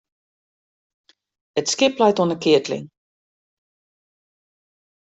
It skip leit oan 't keatling.